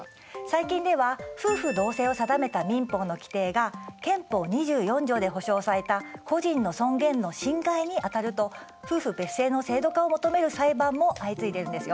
最近では夫婦同姓を定めた民法の規定が憲法２４条で保障された個人の尊厳の侵害にあたると夫婦別姓の制度化を求める裁判も相次いでいるんですよ。